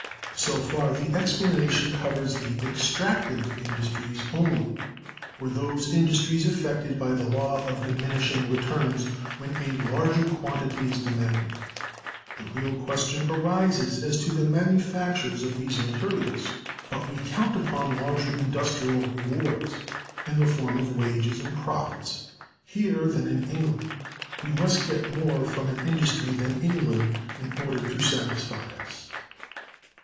So far the explanation covers the "extractive industries" only, or those industries affected by the law of diminishing returns when a larger quantity is demanded. The real question arises as to the manufactures of these materials. But we count upon larger industrial rewards, in the form of wages, and profits, here than in England; we must get more from an industry than England in order to satisfy us.